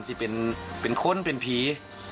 สิเป็นคนเป็นผี